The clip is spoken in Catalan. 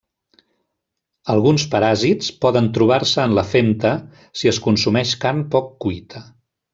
Alguns paràsits poden trobar-se en la femta si es consumeix carn poc cuita.